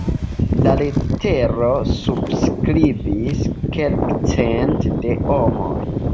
La letero subskribis kelkcent de homoj.